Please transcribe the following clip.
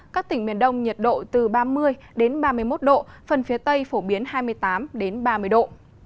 các tỉnh miền đông nhiệt độ từ ba mươi ba mươi một độ phần phía tây phổ biến hai mươi tám ba mươi độ